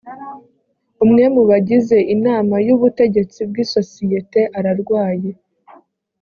umwe mu bagize inama y ubutegetsi bw isosiyete ararwaye